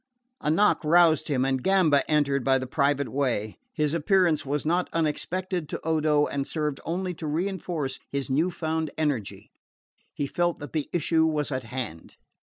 A knock roused him and Gamba entered by the private way. His appearance was not unexpected to Odo, and served only to reinforce his new found energy. He felt that the issue was at hand.